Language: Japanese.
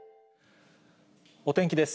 お天気です。